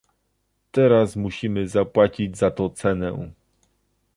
Teraz musimy zapłacić za to cenę